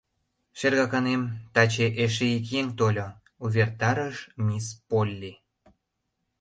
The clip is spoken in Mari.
— Шергаканем, таче эше ик еҥ тольо, — увертарыш мисс Полли.